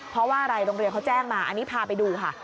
เพราะว่าอะไรโรงเรียนเขาแจ้งมาอันนี้พาไปดูค่ะ